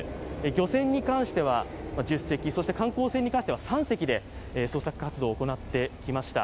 漁船に関しては、１０隻観光船に関しては３隻で捜索活動を行ってきました。